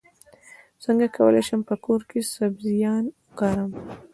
څنګه کولی شم په کور کې سبزیان کرم